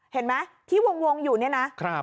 เห็นไหมที่วงอยู่เนี่ยนะ